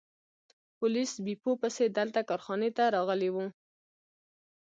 پولیس بیپو پسې دلته کارخانې ته راغلي وو.